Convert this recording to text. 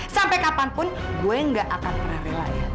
sampai kapanpun gue gak akan pernah rela ya